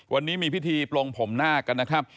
วันนี้มีพิธีปลงผมนาคกันนะครับ